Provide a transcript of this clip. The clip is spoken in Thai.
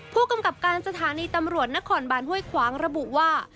ผู้กำกับการสถานีตำรวจนครบานห้วยขวางระบุว่า